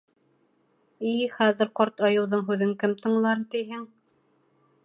И-и, хәҙер ҡарт айыуҙың һүҙен кем тыңлар, тиһең.